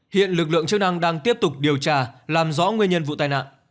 hiện lực lượng chức năng đang tiếp tục điều tra làm rõ nguyên nhân vụ tai nạn